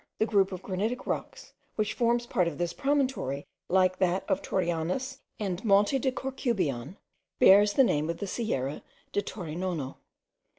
The group of granitic rocks, which forms part of this promontory, like that of Torianes and Monte de Corcubion, bears the name of the Sierra de Torinona.